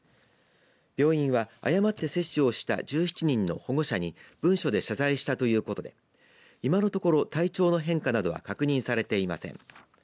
病院は誤って接種をした１７人の保護者に文書で謝罪したということで今のところ、体調の変化などは確認されていません。